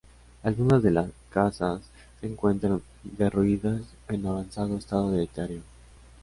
Algunas de las casas se encuentran derruidas o en avanzado estado de deterioro.